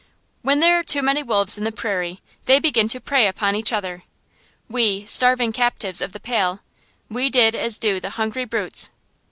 When there are too many wolves in the prairie, they begin to prey upon each other. We starving captives of the Pale we did as do the hungry brutes.